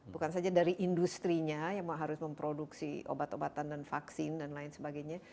bukan saja dari industri nya yang harus memproduksi obat obatan dan vaksin dan lain sebagainya